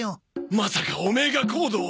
まさかオメエがコードを？